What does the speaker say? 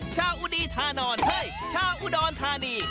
ชาวอุดีทานอนเฮ่ยชาวอุดอนทานี